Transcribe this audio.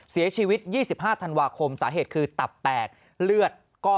เสียชีวิต๒๕ธันวาคมสาเหตุคือตับแตกเลือด